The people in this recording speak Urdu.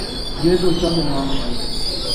یہ تو چند نام ہیں۔